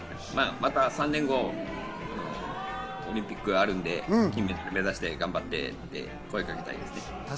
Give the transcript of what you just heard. また３年後、オリンピックがあるので、金メダル目指して頑張ってって声をかけたいです。